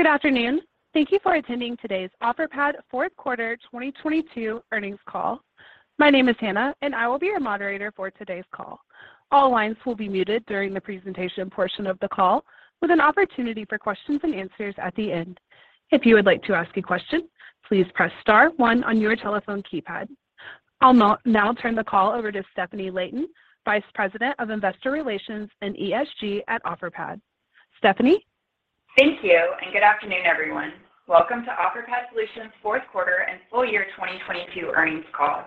Good afternoon. Thank you for attending today's Offerpad Fourth Quarter 2022 earnings call. My name is Hannah. I will be your moderator for today's call. All lines will be muted during the presentation portion of the call, with an opportunity for questions and answers at the end. If you would like to ask a question, please press star one on your telephone keypad. I'll now turn the call over to Stefanie Layton, Vice President of Investor Relations and ESG at Offerpad. Stefanie? Thank you, and good afternoon, everyone. Welcome to Offerpad Solutions Fourth Quarter and Full Year 2022 earnings call.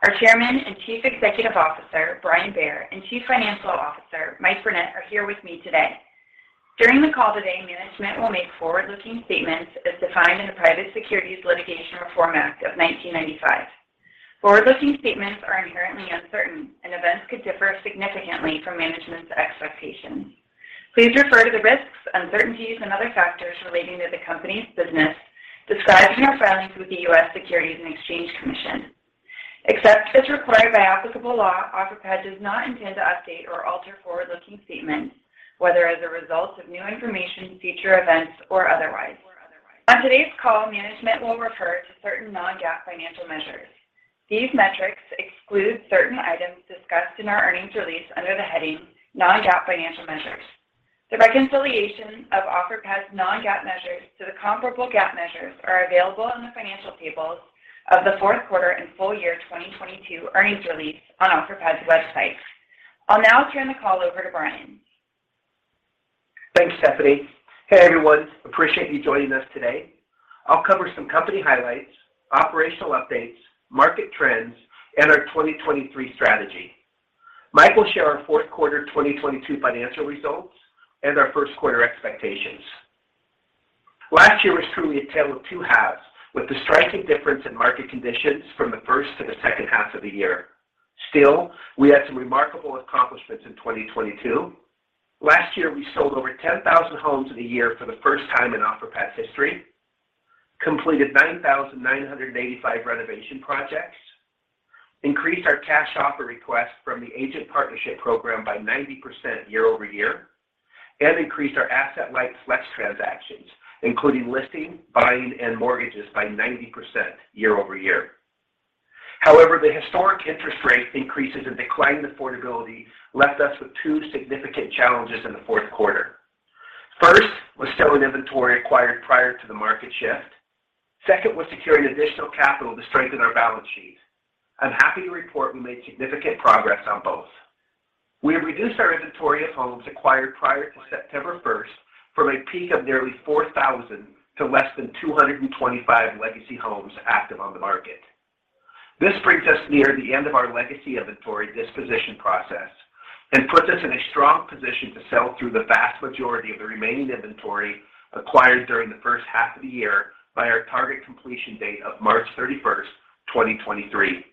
Our Chairman and Chief Executive Officer, Brian Bair, and Chief Financial Officer, Mike Burnett, are here with me today. During the call today, management will make forward-looking statements as defined in the Private Securities Litigation Reform Act of 1995. Forward-looking statements are inherently uncertain, and events could differ significantly from management's expectations. Please refer to the risks, uncertainties, and other factors relating to the company's business described in our filings with the U.S. Securities and Exchange Commission. Except as required by applicable law, Offerpad does not intend to update or alter forward-looking statements, whether as a result of new information, future events, or otherwise. On today's call, management will refer to certain non-GAAP financial measures. These metrics exclude certain items discussed in our earnings release under the heading Non-GAAP Financial Measures. The reconciliation of Offerpad non-GAAP measures to the comparable GAAP measures are available in the financial tables of the fourth quarter and full year 2022 earnings release on Offerpad website. I'll now turn the call over to Brian. Thanks, Stefanie. Hey, everyone. Appreciate you joining us today. I'll cover some company highlights, operational updates, market trends, and our 2023 strategy. Mike will share our fourth quarter 2022 financial results and our first quarter expectations. Last year was truly a tale of two halves, with the striking difference in market conditions from the first to the second half of the year. We had some remarkable accomplishments in 2022. Last year, we sold over 10,000 homes of the year for the first time in Offerpad history, completed 9,985 renovation projects, increased our cash offer requests from the Agent Partnership Program by 90% year-over-year, and increased our asset-light Flex transactions, including listing, buying, and mortgages by 90% year-over-year. The historic interest rate increases and declining affordability left us with two significant challenges in the fourth quarter. First was selling inventory acquired prior to the market shift. Second was securing additional capital to strengthen our balance sheet. I'm happy to report we made significant progress on both. We have reduced our inventory of homes acquired prior to September 1st from a peak of nearly 4,000 to less than 225 legacy homes active on the market. This brings us near the end of our legacy inventory disposition process and puts us in a strong position to sell through the vast majority of the remaining inventory acquired during the first half of the year by our target completion date of March 31st, 2023.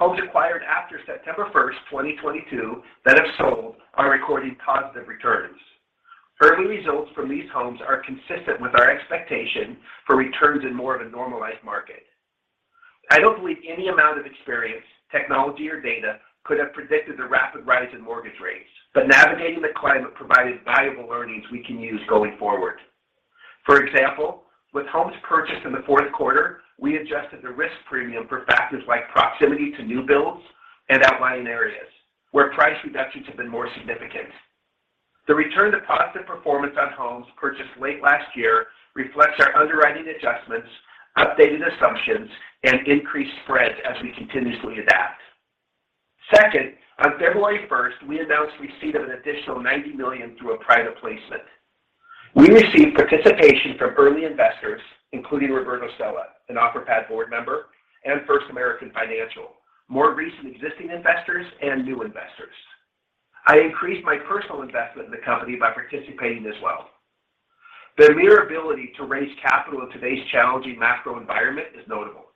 Homes acquired after September 1st, 2022 that have sold are recording positive returns. Early results from these homes are consistent with our expectation for returns in more of a normalized market. I don't believe any amount of experience, technology, or data could have predicted the rapid rise in mortgage rates. Navigating the climate provided valuable learnings we can use going forward. For example, with homes purchased in the fourth quarter, we adjusted the risk premium for factors like proximity to new builds and outlying areas where price reductions have been more significant. The return to positive performance on homes purchased late last year reflects our underwriting adjustments, updated assumptions, and increased spreads as we continuously adapt. Second, on February 1st, we announced receipt of an additional $90 million through a private placement. We received participation from early investors, including Roberto Sella, an Offerpad board member, and First American Financial, more recent existing investors, and new investors. I increased my personal investment in the company by participating as well. The mere ability to raise capital in today's challenging macro environment is notable.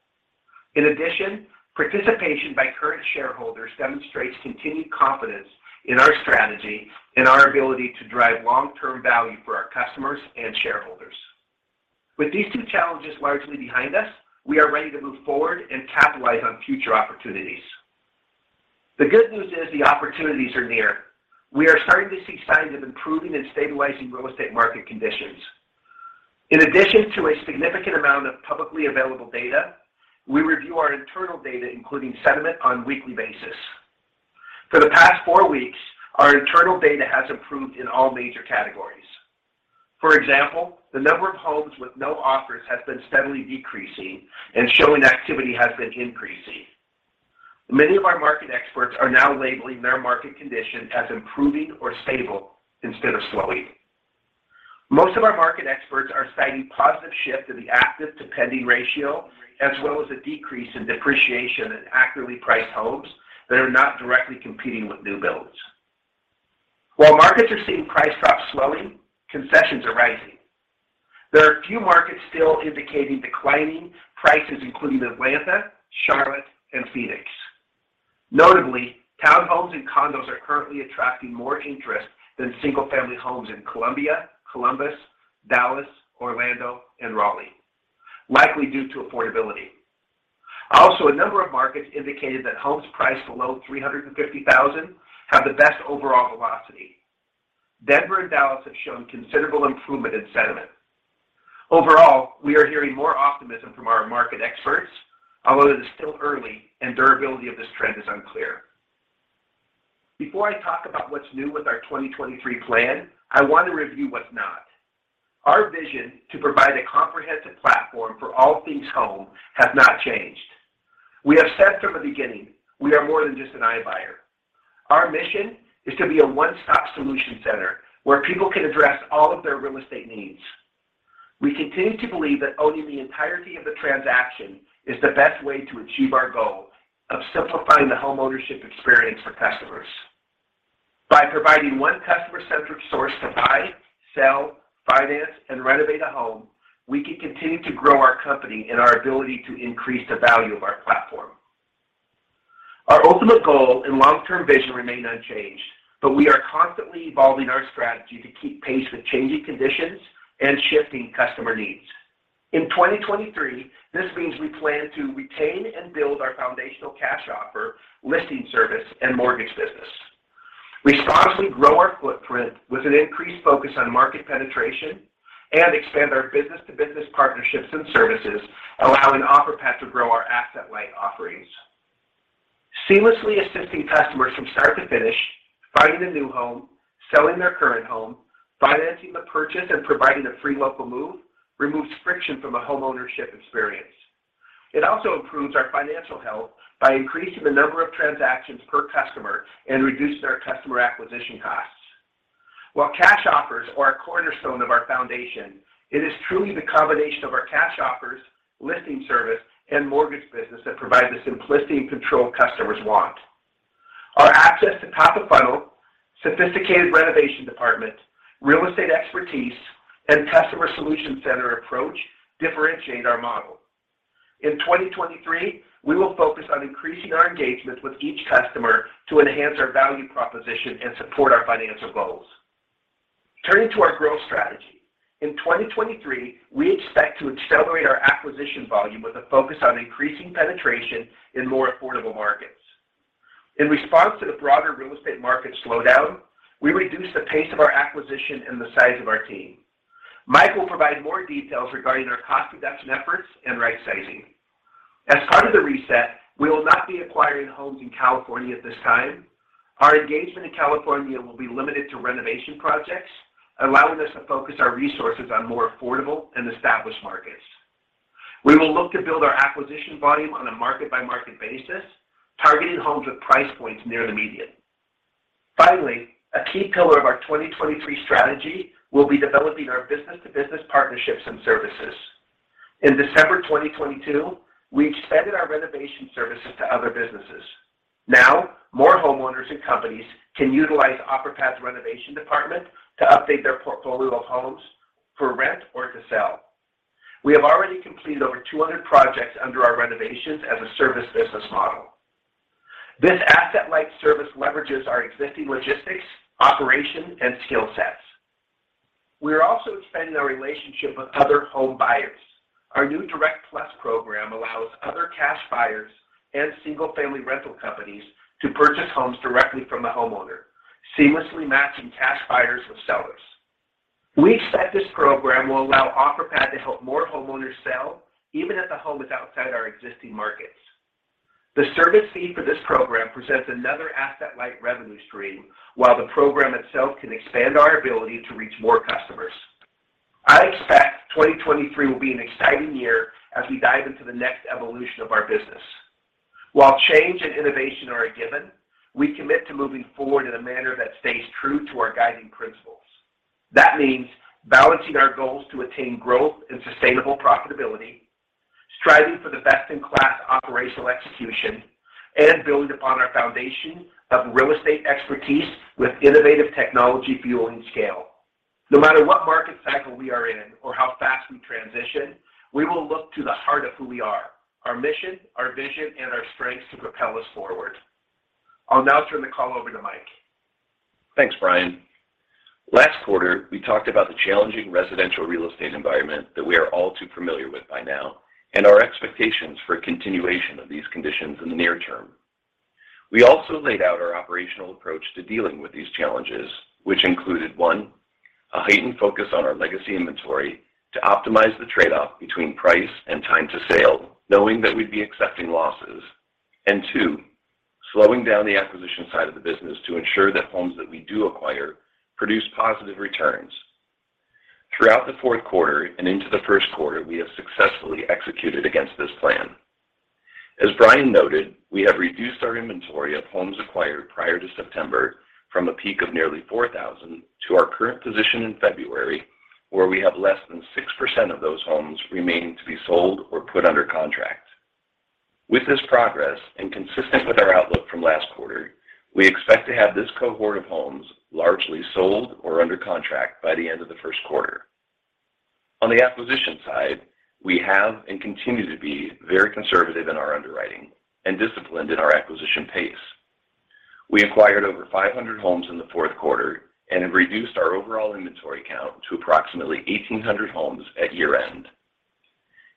In addition, participation by current shareholders demonstrates continued confidence in our strategy and our ability to drive long-term value for our customers and shareholders. With these two challenges largely behind us, we are ready to move forward and capitalize on future opportunities. The good news is the opportunities are near. We are starting to see signs of improving and stabilizing real estate market conditions. In addition to a significant amount of publicly available data, we review our internal data, including sentiment, on weekly basis. For the past four weeks, our internal data has improved in all major categories. For example, the number of homes with no offers has been steadily decreasing and showing activity has been increasing. Many of our market experts are now labeling their market condition as improving or stable instead of slowing. Most of our market experts are citing positive shift in the active-to-pending ratio as well as a decrease in depreciation in accurately priced homes that are not directly competing with new builds. Markets are seeing price drops slowing, concessions are rising. There are a few markets still indicating declining prices, including Atlanta, Charlotte, and Phoenix. Notably, townhomes and condos are currently attracting more interest than single-family homes in Columbia, Columbus, Dallas, Orlando, and Raleigh, likely due to affordability. A number of markets indicated that homes priced below $350,000 have the best overall velocity. Denver and Dallas have shown considerable improvement in sentiment. We are hearing more optimism from our market experts, although it is still early and durability of this trend is unclear. Before I talk about what's new with our 2023 plan, I want to review what's not. Our vision to provide a comprehensive platform for all things home has not changed. We have said from the beginning, we are more than just an iBuyer. Our mission is to be a one-stop solution center where people can address all of their real estate needs. We continue to believe that owning the entirety of the transaction is the best way to achieve our goal of simplifying the homeownership experience for customers. By providing one customer-centric source to buy, sell, finance, and renovate a home, we can continue to grow our company and our ability to increase the value of our platform. Our ultimate goal and long-term vision remain unchanged. We are constantly evolving our strategy to keep pace with changing conditions and shifting customer needs. In 2023, this means we plan to retain and build our foundational cash offer, listing service, and mortgage business. Responsibly grow our footprint with an increased focus on market penetration and expand our business-to-business partnerships and services, allowing Offerpad to grow our asset-light offerings. Seamlessly assisting customers from start to finish, finding a new home, selling their current home, financing the purchase, and providing a free local move removes friction from a homeownership experience. It also improves our financial health by increasing the number of transactions per customer and reducing our customer acquisition costs. While cash offers are a cornerstone of our foundation, it is truly the combination of our cash offers, listing service, and mortgage business that provide the simplicity and control customers want. Our access to top-of-funnel, sophisticated renovation department, real estate expertise, and customer solution center approach differentiate our model. In 2023, we will focus on increasing our engagement with each customer to enhance our value proposition and support our financial goals. Turning to our growth strategy. In 2023, we expect to accelerate our acquisition volume with a focus on increasing penetration in more affordable markets. In response to the broader real estate market slowdown, we reduced the pace of our acquisition and the size of our team. Mike will provide more details regarding our cost reduction efforts and right sizing. As part of the reset, we will not be acquiring homes in California at this time. Our engagement in California will be limited to renovation projects, allowing us to focus our resources on more affordable and established markets. We will look to build our acquisition volume on a market-by-market basis, targeting homes with price points near the median. Finally, a key pillar of our 2023 strategy will be developing our business-to-business partnerships and services. In December 2022, we expanded our renovation services to other businesses. Now, more homeowners and companies can utilize Offerpad renovation department to update their portfolio of homes for rent or to sell. We have already completed over 200 projects under our renovations as a service business model. This asset-light service leverages our existing logistics, operation, and skill sets. We are also expanding our relationship with other home buyers. Our new Direct Plus program allows other cash buyers and single-family rental companies to purchase homes directly from the homeowner, seamlessly matching cash buyers with sellers. We expect this program will allow Offerpad to help more homeowners sell, even if the home is outside our existing markets. The service fee for this program presents another asset-light revenue stream, while the program itself can expand our ability to reach more customers. I expect 2023 will be an exciting year as we dive into the next evolution of our business. While change and innovation are a given, we commit to moving forward in a manner that stays true to our guiding principles. That means balancing our goals to attain growth and sustainable profitability, striving for the best-in-class operational execution, and building upon our foundation of real estate expertise with innovative technology fueling scale. No matter what market cycle we are in or how fast we transition, we will look to the heart of who we are, our mission, our vision, and our strengths to propel us forward. I'll now turn the call over to Mike. Thanks, Brian. Last quarter, we talked about the challenging residential real estate environment that we are all too familiar with by now, and our expectations for a continuation of these conditions in the near term. We also laid out our operational approach to dealing with these challenges, which included, one, a heightened focus on our legacy inventory to optimize the trade-off between price and time to sale, knowing that we'd be accepting losses. Two, slowing down the acquisition side of the business to ensure that homes that we do acquire produce positive returns. Throughout the fourth quarter and into the first quarter, we have successfully executed against this plan. As Brian noted, we have reduced our inventory of homes acquired prior to September from a peak of nearly 4,000 to our current position in February, where we have less than 6% of those homes remaining to be sold or put under contract. Consistent with our outlook from last quarter, we expect to have this cohort of homes largely sold or under contract by the end of the first quarter. On the acquisition side, we have and continue to be very conservative in our underwriting and disciplined in our acquisition pace. We acquired over 500 homes in the fourth quarter and have reduced our overall inventory count to approximately 1,800 homes at year-end.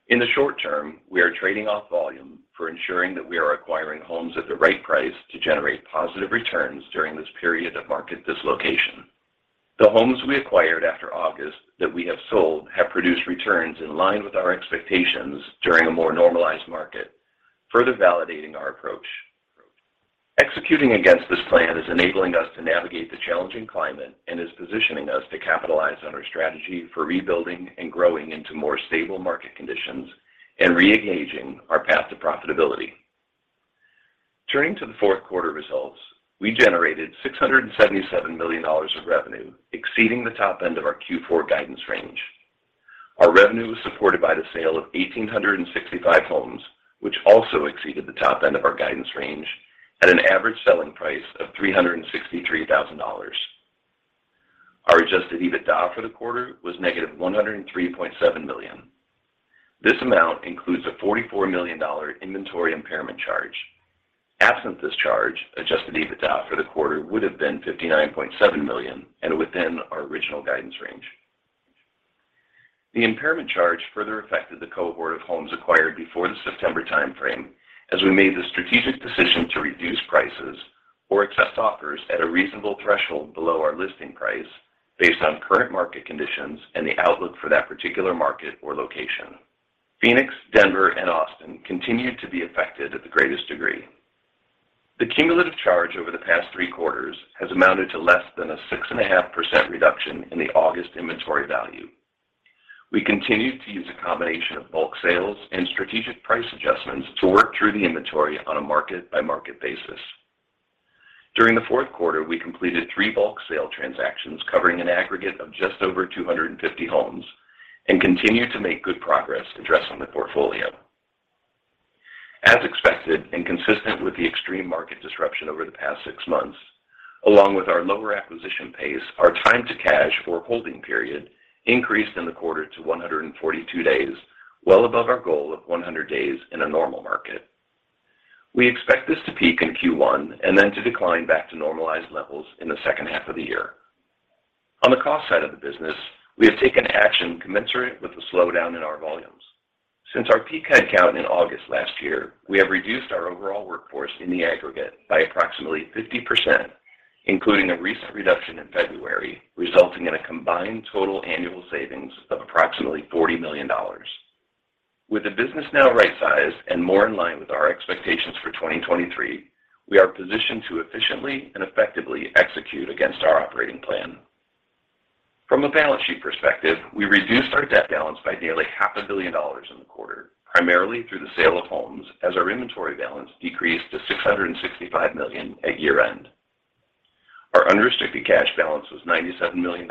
In the short term, we are trading off volume for ensuring that we are acquiring homes at the right price to generate positive returns during this period of market dislocation. The homes we acquired after August that we have sold have produced returns in line with our expectations during a more normalized market, further validating our approach. Executing against this plan is enabling us to navigate the challenging climate and is positioning us to capitalize on our strategy for rebuilding and growing into more stable market conditions and reengaging our path to profitability. Turning to the fourth quarter results, we generated $677 million of revenue, exceeding the top end of our Q4 guidance range. Our revenue was supported by the sale of 1,865 homes, which also exceeded the top end of our guidance range at an average selling price of $363,000. Our adjusted EBITDA for the quarter was negative $103.7 million. This amount includes a $44 million inventory impairment charge. Absent this charge, adjusted EBITDA for the quarter would have been $59.7 million and within our original guidance range. The impairment charge further affected the cohort of homes acquired before the September time frame as we made the strategic decision to reduce prices or accept offers at a reasonable threshold below our listing price based on current market conditions and the outlook for that particular market or location. Phoenix, Denver, and Austin continued to be affected at the greatest degree. The cumulative charge over the past three quarters has amounted to less than a 6.5% reduction in the August inventory value. We continued to use a combination of bulk sales and strategic price adjustments to work through the inventory on a market-by-market basis. During the fourth quarter, we completed three bulk sale transactions covering an aggregate of just over 250 homes and continued to make good progress addressing the portfolio. As expected and consistent with the extreme market disruption over the past six months, along with our lower acquisition pace, our time to cash for holding period increased in the quarter to 142 days, well above our goal of 100 days in a normal market. We expect this to peak in Q1 then to decline back to normalized levels in the second half of the year. On the cost side of the business, we have taken action commensurate with the slowdown in our volumes. Since our peak head count in August last year, we have reduced our overall workforce in the aggregate by approximately 50%, including a recent reduction in February, resulting in a combined total annual savings of approximately $40 million. With the business now right-sized and more in line with our expectations for 2023, we are positioned to efficiently and effectively execute against our operating plan. From a balance sheet perspective, we reduced our debt balance by nearly half a billion dollars in the quarter, primarily through the sale of homes as our inventory balance decreased to $665 million at year-end. Our unrestricted cash balance was $97 million,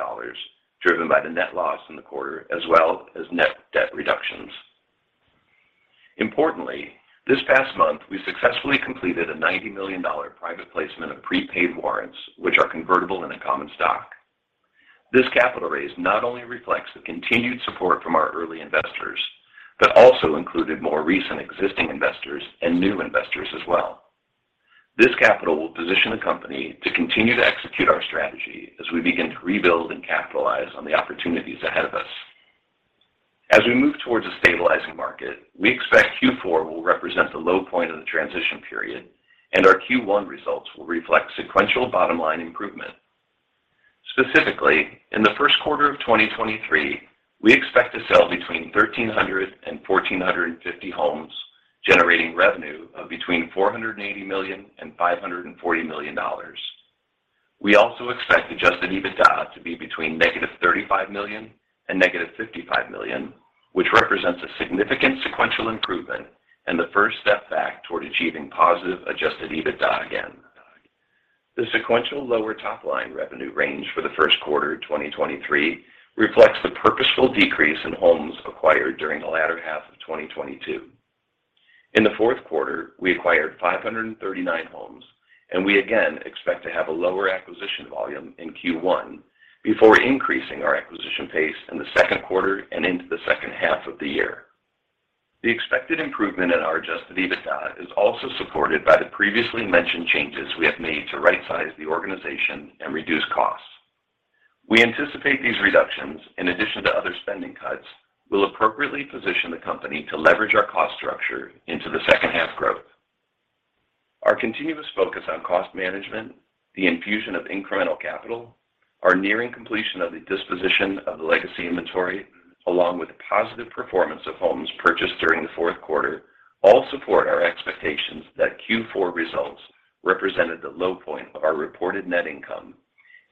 driven by the net loss in the quarter, as well as net debt reductions. Importantly, this past month, we successfully completed a $90 million private placement of prepaid warrants, which are convertible in a common stock. This capital raise not only reflects the continued support from our early investors, but also included more recent existing investors and new investors as well. This capital will position the company to continue to execute our strategy as we begin to rebuild and capitalize on the opportunities ahead of us. As we move towards a stabilizing market, we expect Q4 will represent the low point of the transition period, and our Q1 results will reflect sequential bottom line improvement. Specifically, in the first quarter of 2023, we expect to sell between 1,300 and 1,450 homes, generating revenue of between $480 million and $540 million. We also expect adjusted EBITDA to be between negative $35 million and negative $55 million, which represents a significant sequential improvement and the first step back toward achieving positive adjusted EBITDA again. The sequential lower top-line revenue range for the first quarter of 2023 reflects the purposeful decrease in homes acquired during the latter half of 2022. In the fourth quarter, we acquired 539 homes, we again expect to have a lower acquisition volume in Q1 before increasing our acquisition pace in the second quarter and into the second half of the year. The expected improvement in our adjusted EBITDA is also supported by the previously mentioned changes we have made to right-size the organization and reduce costs. We anticipate these reductions, in addition to other spending cuts, will appropriately position the company to leverage our cost structure into the second half growth. Our continuous focus on cost management, the infusion of incremental capital, our nearing completion of the disposition of the legacy inventory, along with the positive performance of homes purchased during the fourth quarter, all support our expectations that Q4 results represented the low point of our reported net income,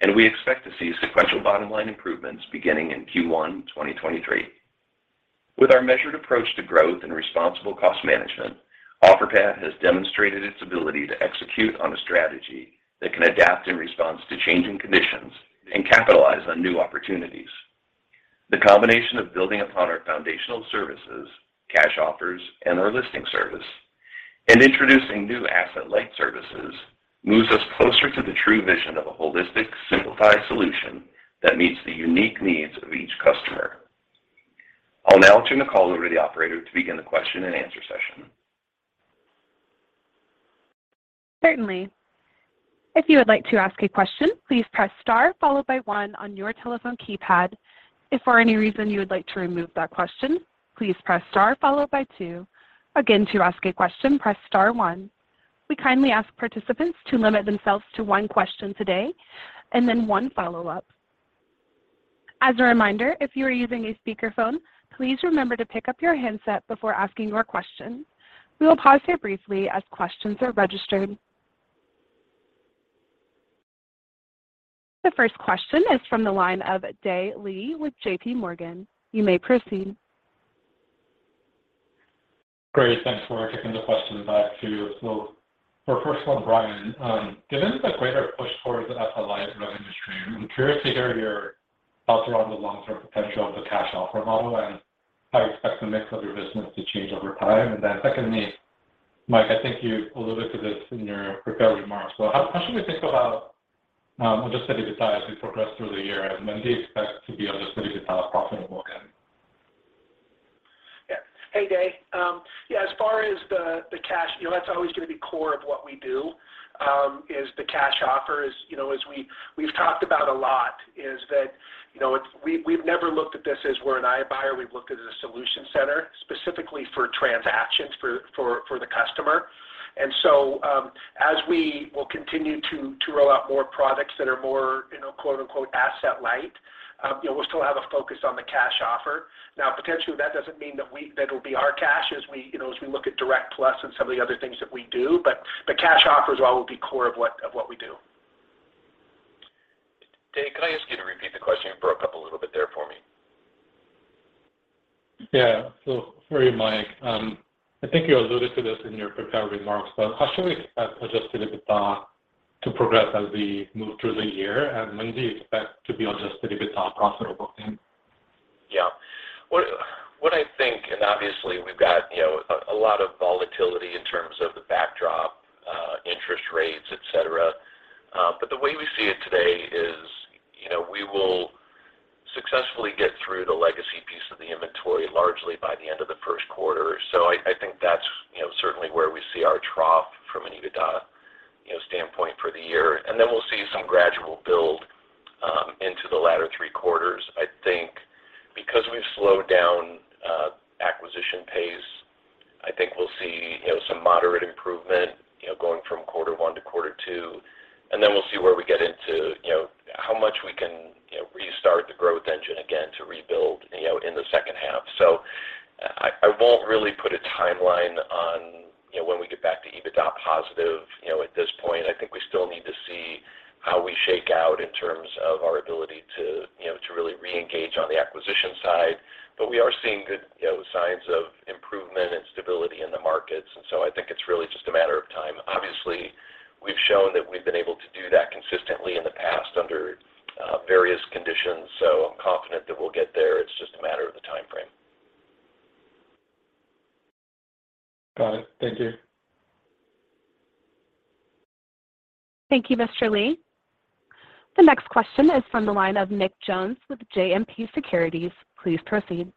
and we expect to see sequential bottom line improvements beginning in Q1 2023. With our measured approach to growth and responsible cost management, Offerpad has demonstrated its ability to execute on a strategy that can adapt in response to changing conditions and capitalize on new opportunities. The combination of building upon our foundational services, cash offers, and our listing service, and introducing new asset-light services moves us closer to the true vision of a holistic, simplified solution that meets the unique needs of each customer. I'll turn the call over to the operator to begin the question and answer session. Certainly. If you would like to ask a question, please press star followed by one on your telephone keypad. If for any reason you would like to remove that question, please press star followed by two. Again, to ask a question, press star one. We kindly ask participants to limit themselves to one question today and then one follow-up. As a reminder, if you are using a speakerphone, please remember to pick up your handset before asking your question. We will pause here briefly as questions are registered. The first question is from the line of Dae Lee with JPMorgan. You may proceed. Great. Thanks for taking the question. Back to you. For first one, Brian, given the greater push towards the asset-light rent industry, I'm curious to hear your thoughts around the long-term potential of the cash offer model, and how you expect the mix of your business to change over time? Secondly, Mike, I think you alluded to this in your prepared remarks. How should we think about adjusted EBITDA as we progress through the year, and when do you expect to be adjusted EBITDA profitable again? Yeah. Hey, Dae. Yeah, as far as the cash, you know, that's always gonna be core of what we do, is the cash offers. You know, as we've talked about a lot is that, you know, we've never looked at this as we're an iBuyer. We've looked at it as a solution center, specifically for transactions for the customer. as we will continue to roll out more products that are more, you know "asset-light," you know, we'll still have a focus on the cash offer. Potentially, that doesn't mean that it'll be our cash as we, you know, as we look at Direct Plus and some of the other things that we do, but the cash offers all will be core of what we do. Dae, could I ask you to repeat the question? You broke up a little bit there for me. Yeah. So sorry, Mike. I think you alluded to this in your prepared remarks, but how should we expect adjusted EBITDA to progress as we move through the year, and when do you expect to be adjusted EBITDA profitable again? What I think, and obviously we've got, you know, a lot of volatility in terms of the backdrop, interest rates, et cetera. The way we see it today is, you know, we will successfully get through the legacy piece of the inventory largely by the end of the first quarter. I think that's, you know, certainly where we see our trough from an EBITDA, you know, standpoint for the year. We'll see some gradual build into the latter three quarters. I think because we've slowed down acquisition pace, I think we'll see, you know, some moderate improvement, you know, going from quarter one to quarter two, we'll see where we get into, you know, how much we can, you know, restart the growth engine again to rebuild, you know, in the second half. I won't really put a timeline on, you know, when we get back to EBITDA positive, you know, at this point. I think we still need to see how we shake out in terms of our ability to, you know, to really reengage on the acquisition side. We are seeing good, you know, signs of improvement and stability in the markets, and so I think it's really just a matter of time. Obviously, we've shown that we've been able to do that consistently in the past under various conditions, so I'm confident that we'll get there. It's just a matter of the timeframe. Got it. Thank you. Thank you, Mr. Lee. The next question is from the line of Nick Jones with JMP Securities. Please proceed.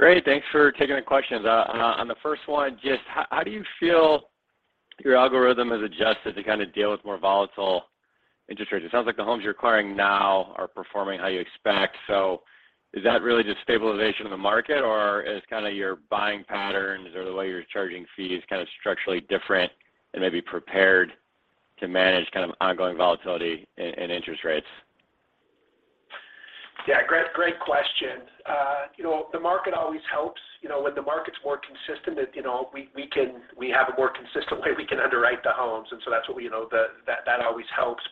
Great. Thanks for taking the questions. On the first one, just how do you feel your algorithm has adjusted to kind of deal with more volatile interest rates? It sounds like the homes you're acquiring now are performing how you expect. Is that really just stabilization of the market, or is kind of your buying patterns or the way you're charging fees kind of structurally different and maybe prepared to manage kind of ongoing volatility in interest rates? Yeah. Great question. You know, the market always helps. You know, when the market's more consistent it, we have a more consistent way we can underwrite the homes, that always helps.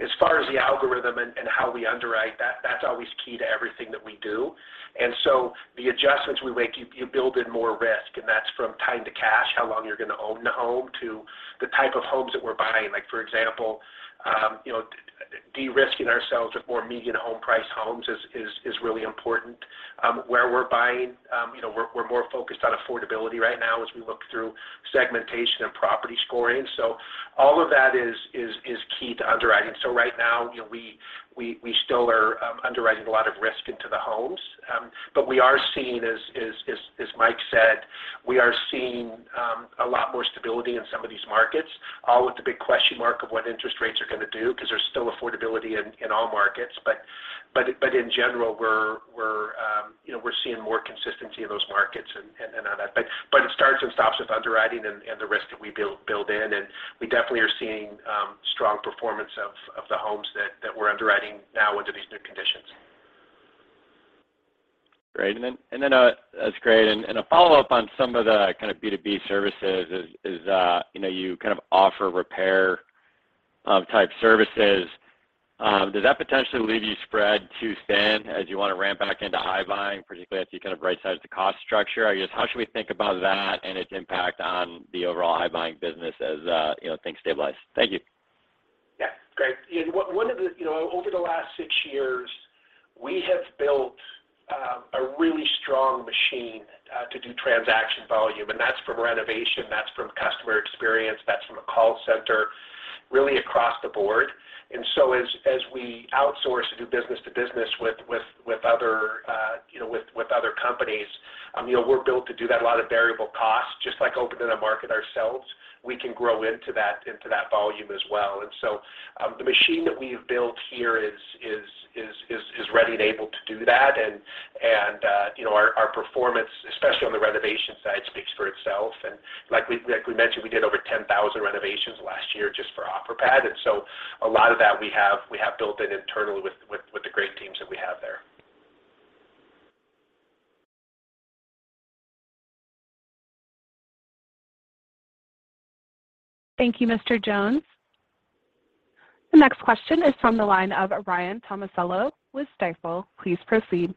As far as the algorithm and how we underwrite that's always key to everything that we do. The adjustments we make, you build in more risk, and that's from time to cash, how long you're gonna own the home, to the type of homes that we're buying. Like, for example, you know, de-risking ourselves of more median home price homes is really important. Where we're buying, you know, we're more focused on affordability right now as we look through segmentation and property scoring. All of that is key to underwriting. Right now, you know, we still are underwriting a lot of risk into the homes. We are seeing as Mike said, we are seeing a lot more stability in some of these markets, all with the big question mark of what interest rates are gonna do because there's still affordability in all markets. In general, we're, you know, we're seeing more consistency in those markets and on that. It starts and stops with underwriting and the risk that we build in, and we definitely are seeing strong performance of the homes that we're underwriting now under these new conditions. Great. That's great. A follow-up on some of the kind of B2B services is, you know, you kind of offer repair type services. Does that potentially leave you spread too thin as you want to ramp back into iBuying, particularly as you kind of right size the cost structure? I guess, how should we think about that and its impact on the overall iBuying business as, you know, things stabilize? Thank you. Yeah. Great. You know, over the last six years, we have built, really strong machine to do transaction volume, and that's from renovation, that's from customer experience, that's from a call center, really across the board. As we outsource to do business to business with other, you know, with other companies, you know, we're built to do that. A lot of variable costs, just like open in a market ourselves, we can grow into that volume as well. The machine that we have built here is ready and able to do that. You know, our performance, especially on the renovation side, speaks for itself. Like we mentioned, we did over 10,000 renovations last year just for Offerpad. A lot of that we have built in internally with the great teams that we have there. Thank you, Mr. Jones. The next question is from the line of Ryan Tomasello with Stifel. Please proceed.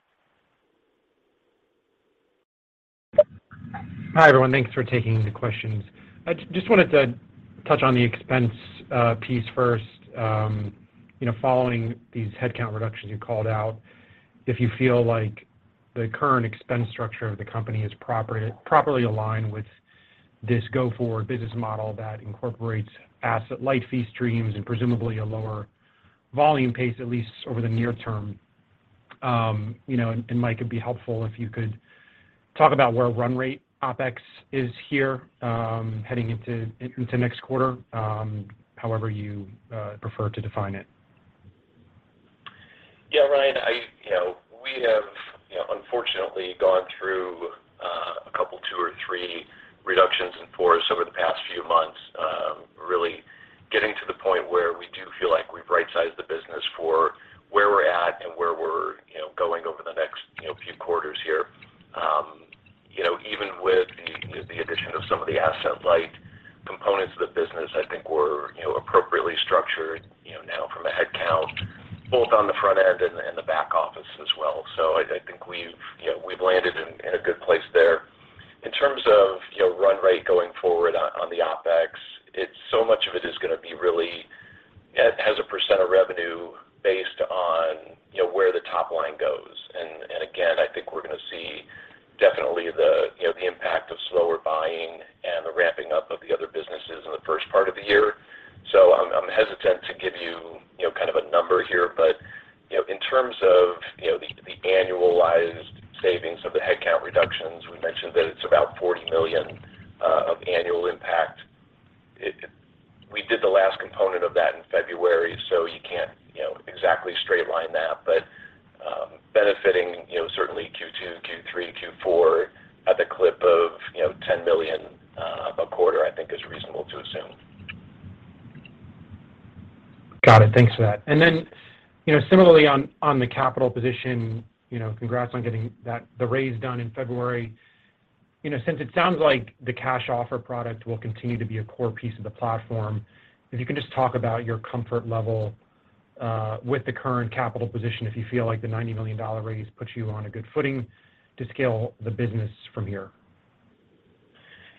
Hi, everyone. Thanks for taking the questions. I just wanted to touch on the expense piece first. You know, following these headcount reductions you called out, if you feel like the current expense structure of the company is properly aligned with this go-forward business model that incorporates asset-light fee streams and presumably a lower volume pace, at least over the near term. You know, Mike, it'd be helpful if you could talk about where run rate OpEx is here, heading into next quarter, however you prefer to define it. Yeah, Ryan, You know, we have, you know, unfortunately gone through a couple, two or three reductions in force over the past few months, really getting to the point where we do feel like we've right-sized the business for where we're at and where we're, you know, going over the next, you know, few quarters here. You know, even with the addition of some of the asset-light components of the business, I think we're, you know, appropriately structured, you know, now from a headcount both on the front end and the back office as well. I think we've, you know, we've landed in a good place there.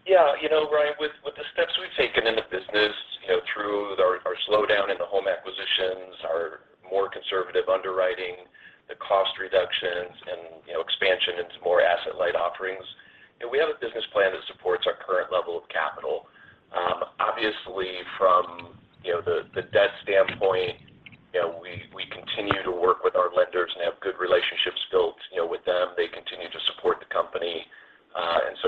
Yeah. You know, Ryan, with the steps we've taken in the business, you know, through our slowdown in the home acquisitions, our more conservative underwriting, the cost reductions and, you know, expansion into more asset-light offerings, you know, we have a business plan that supports our current level of capital. Obviously from, you know, the debt standpoint, you know, we continue to work with our lenders and have good relationships built, you know, with them. They continue to support the company.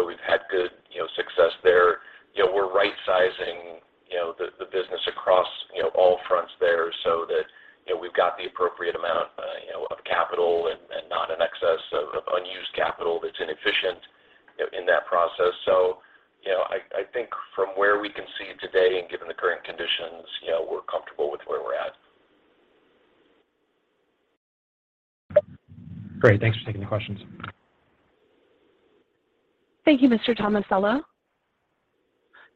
We've had good, you know, success there. You know, we're right-sizing, you know, the business across, you know, all fronts there so that, you know, we've got the appropriate amount, you know, of capital and not in excess of unused capital that's inefficient, you know, in that process. you know, I think from where we can see today and given the current conditions, you know, we're comfortable with where we're at. Great. Thanks for taking the questions. Thank you, Mr. Tomasello.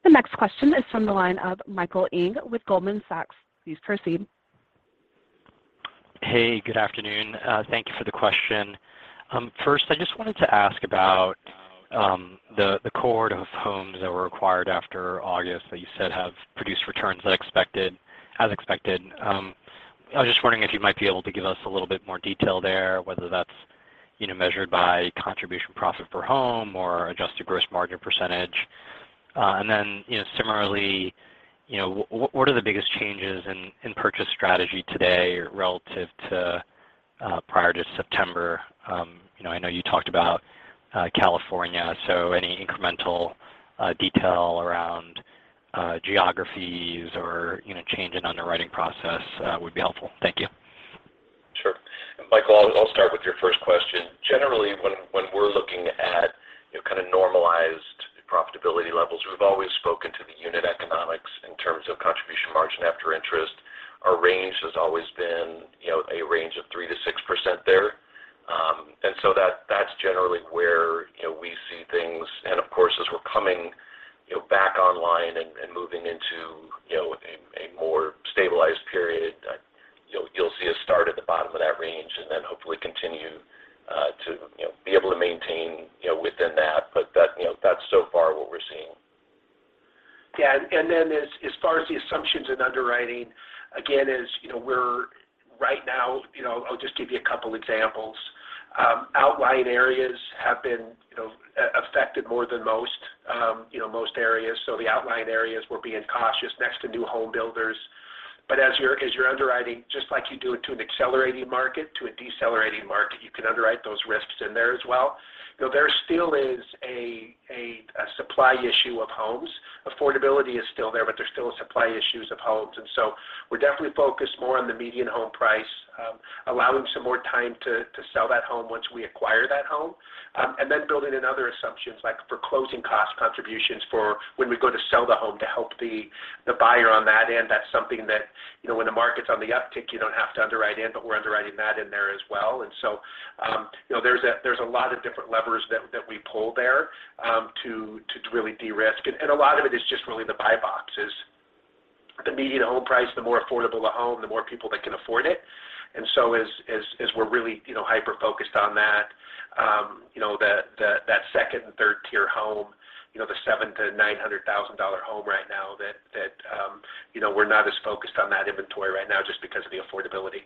The next question is from the line of Michael Ng with Goldman Sachs. Please proceed. Hey, good afternoon. Thank you for the question. First, I just wanted to ask about the cohort of homes that were acquired after August that you said have produced returns as expected. I was just wondering if you might be able to give us a little bit more detail there, whether that's, you know, measured by contribution profit per home or adjusted gross margin percentage. What are the biggest changes in purchase strategy today relative to prior to September? You know, I know you talked about California, any incremental detail around geographies or, you know, change in underwriting process would be helpful. Thank you. Sure. Michael, I'll start with your first question. Generally, when we're looking at, you know, kind of normalized profitability levels, we've always spoken to the unit economics in terms of Contribution Margin After Interest. Our range has always been, you know, a range of 3%-6% there. So that's generally where, you know, we see things. Of course, as we're coming, you know, back online and moving into, you know, a more stabilized period, you'll see us start at the bottom of that range and then hopefully continue to, you know, be able to maintain, you know, within that. That, you know, that's so far what we're seeing. Yeah. As, as far as the assumptions in underwriting, again, as you know, we're right now, you know, I'll just give you a couple examples. Outlying areas have been, you know, affected more than most, you know, most areas. The outlying areas, we're being cautious next to new home builders. As you're, as you're underwriting, just like you do it to an accelerating market, to a decelerating market, you can underwrite those risks in there as well. You know, there still is a supply issue of homes. Affordability is still there, but there's still supply issues of homes. We're definitely focused more on the median home price, allowing some more time to sell that home once we acquire that home. Then building in other assumptions like for closing cost contributions for when we go to sell the home to help the buyer on that end. That's something that, you know, when the market's on the uptick, you don't have to underwrite in, but we're underwriting that in there as well. So, you know, there's a lot of different levers that we pull there to really de-risk. A lot of it is just really the buy box is the median home price, the more affordable the home, the more people that can afford it. as we're really, you know, hyper-focused on that, you know, that second and third tier home, you know, the $700,000-$900,000 home right now that, you know, we're not as focused on that inventory right now just because of the affordability.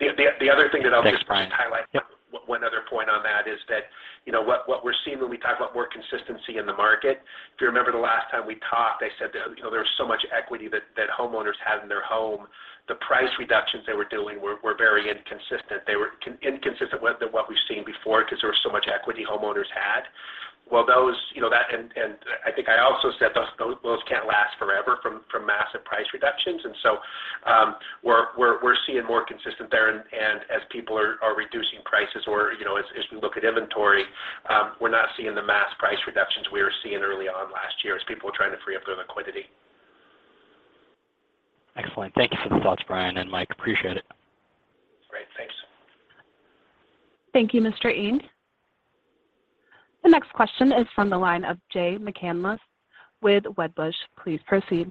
The other thing that I'll just. Thanks, Brian. Yep. Highlight one other point on that is that, you know, what we're seeing when we talk about more consistency in the market, if you remember the last time we talked, I said, you know, there was so much equity that homeowners had in their home. The price reductions they were doing were very inconsistent. They were inconsistent with what we've seen before because there was so much equity homeowners had. Well, those, you know, that. I think I also said those can't last forever from massive price reductions. We're seeing more consistent there. As people are reducing prices or, you know, as we look at inventory, we're not seeing the mass price reductions we were seeing early on last year as people were trying to free up their liquidity. Excellent. Thank you for the thoughts, Brian and Mike. Appreciate it. Great. Thanks. Thank you, Mr. Ng. The next question is from the line of Jay McCandless with Wedbush. Please proceed.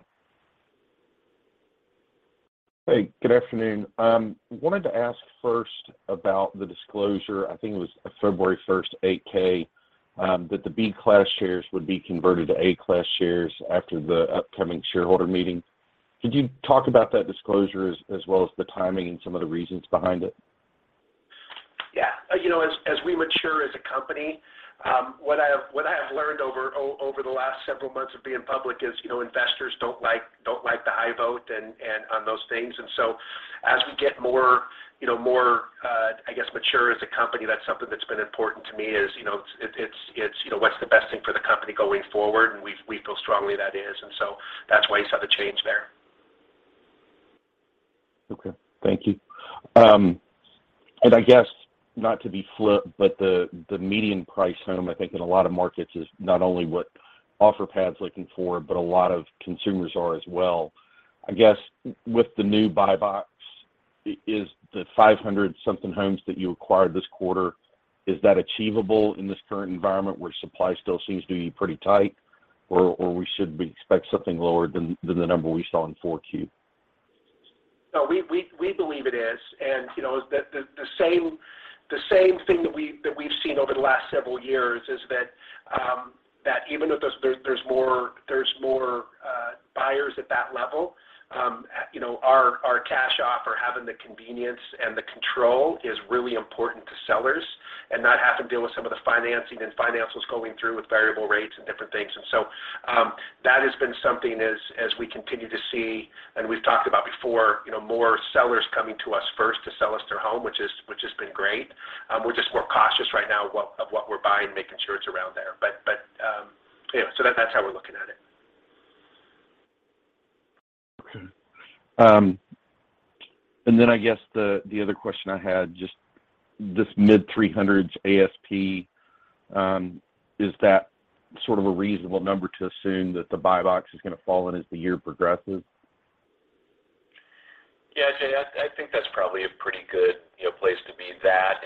Hey, good afternoon. Wanted to ask first about the disclosure, I think it was a February 1st, 8-K, that the Class B shares would be converted to Class A shares after the upcoming shareholder meeting. Could you talk about that disclosure as well as the timing and some of the reasons behind it? Yeah. You know, as we mature as a company, what I have learned over the last several months of being public is, you know, investors don't like the high vote and on those things. As we get more, you know, I guess mature as a company, that's something that's been important to me is, you know, it's, what's the best thing for the company going forward, and we feel strongly that is. That's why you saw the change there. Okay. Thank you. I guess not to be flip, but the median price home, I think in a lot of markets is not only what Offerpad looking for, but a lot of consumers are as well. I guess with the new buy box, is the 500 something homes that you acquired this quarter, is that achievable in this current environment where supply still seems to be pretty tight or we should expect something lower than the number we saw in 4Q? No, we believe it is. You know, the same thing that we've seen over the last several years is that even though there's more buyers at that level, you know, our cash offer having the convenience and the control is really important to sellers and not have to deal with some of the financing and financials going through with variable rates and different things. That has been something as we continue to see, and we've talked about before, you know, more sellers coming to us first to sell us their home, which has been great. We're just more cautious right now of what we're buying, making sure it's around there. You know, that's how we're looking at it. Okay. I guess the other question I had, just this mid 300s ASP, is that sort of a reasonable number to assume that the buy box is gonna fall in as the year progresses? Yeah, Jay, I think that's probably a pretty good, you know, place to be that.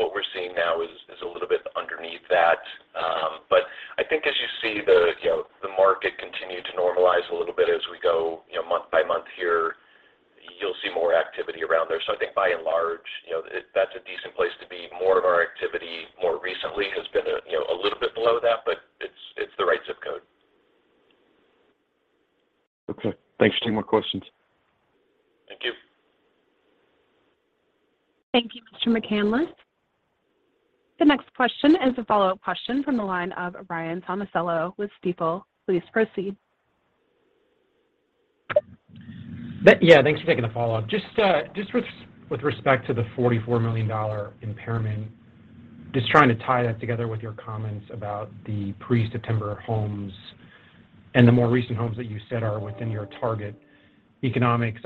What we're seeing now is a little bit underneath that. I think as you see the, you know, the market continue to normalize a little bit as we go, you know, month by month here, you'll see more activity around there. I think by and large, you know, that's a decent place to be. More of our activity more recently has been a, you know, a little bit below that, but it's the right zip code. Okay. Thanks. Two more questions. Thank you. Thank you, Mr. McCanless. The next question is a follow-up question from the line of Ryan Tomasello with Stifel. Please proceed. Yeah, thanks for taking the follow-up. Just with respect to the $44 million impairment, just trying to tie that together with your comments about the pre-September homes and the more recent homes that you said are within your target economics.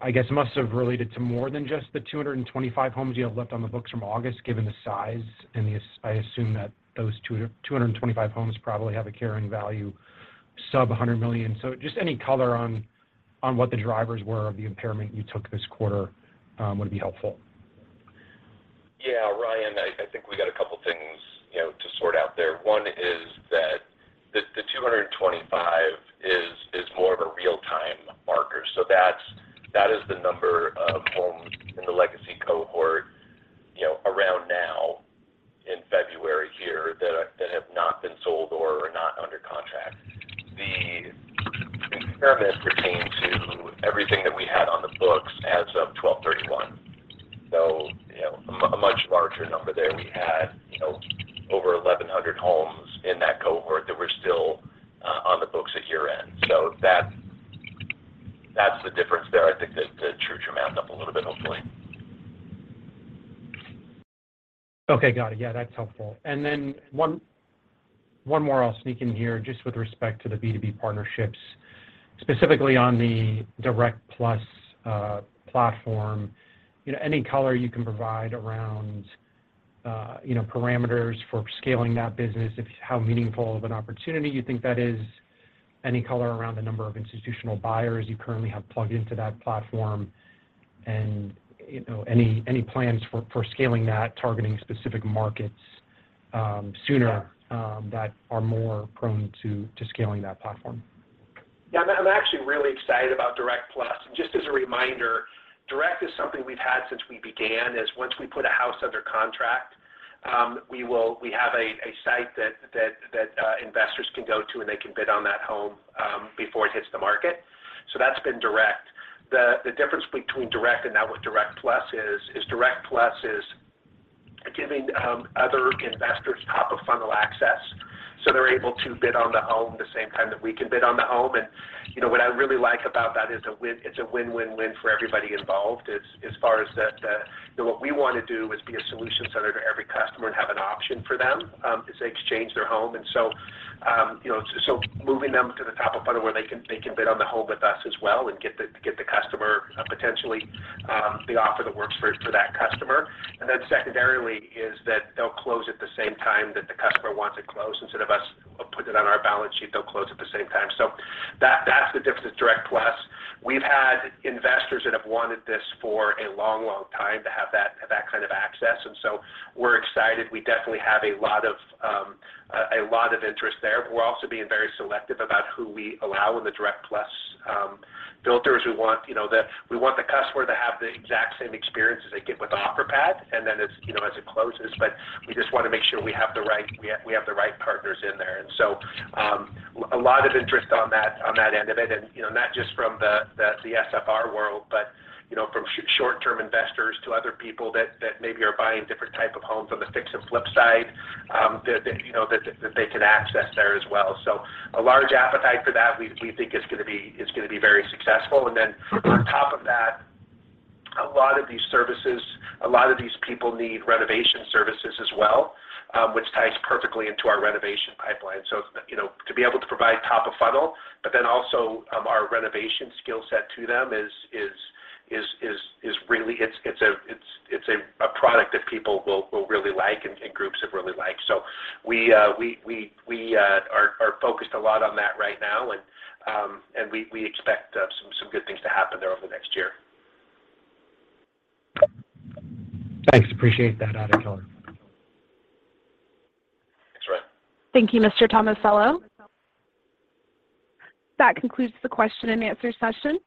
I guess the $44 million, I guess must have related to more than just the 225 homes you have left on the books from August, given the size. I assume that those 225 homes probably have a carrying value sub $100 million. Just any color on what the drivers were of the impairment you took this quarter would be helpful? Yeah, Ryan, I think we got a couple things, you know, to sort out there. One is more of a real-time marker. That is the number of homes in the legacy cohort, you know, around now in February here that have not been sold or are not under contract. The experiment pertained to everything that we had on the books as of 12/31. You know, a much larger number there. We had, you know, over 1,100 homes in that cohort that were still on the books at year-end. That's the difference there. I think that should true them up a little bit, hopefully. Okay. Got it. Yeah, that's helpful. Then one more I'll sneak in here just with respect to the B2B partnerships, specifically on the Direct Plus platform. You know, any color you can provide around, you know, parameters for scaling that business, how meaningful of an opportunity you think that is, any color around the number of institutional buyers you currently have plugged into that platform and, you know, any plans for scaling that, targeting specific markets, sooner, that are more prone to scaling that platform? Yeah. I'm actually really excited about Direct Plus. Just as a reminder, Direct is something we've had since we began, is once we put a house under contract, we have a site that investors can go to, and they can bid on that home before it hits the market. That's been Direct. The difference between Direct and now with Direct Plus is Direct Plus is giving other investors top-of-funnel access, so they're able to bid on the home the same time that we can bid on the home. You know, what I really like about that is it's a win-win-win for everybody involved as far as the... You know, what we wanna do is be a solution center to every customer and have an option for them as they exchange their home. You know, so moving them to the top of funnel where they can bid on the home with us as well and get the customer potentially the offer that works for that customer. Secondarily is that they'll close at the same time that the customer wants it closed. Instead of us putting it on our balance sheet, they'll close at the same time. That's the difference with Direct Plus. We've had investors that have wanted this for a long, long time to have that kind of access, we're excited. We definitely have a lot of interest there. We're also being very selective about who we allow in the Direct Plus filters. We want, you know, We want the customer to have the exact same experience as they get with the Offerpad and then as, you know, as it closes. We just wanna make sure we have the right partners in there. A lot of interest on that, on that end of it. You know, not just from the SFR world, but, you know, from short-term investors to other people that maybe are buying different type of homes on the fix and flip side, that, you know, that they can access there as well. A large appetite for that. We think it's gonna be, it's gonna be very successful. On top of that, a lot of these services, a lot of these people need renovation services as well, which ties perfectly into our renovation pipeline. You know, to be able to provide top of funnel, but then also, our renovation skill set to them is really. It's a product that people will really like and groups have really liked. We are focused a lot on that right now and we expect some good things to happen there over the next year. Thanks. Appreciate that added color. Thanks, Ryan. Thank you, Mr. Tomasello. That concludes the question and answer session.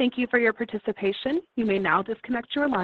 Thank you for your participation. You may now disconnect your line.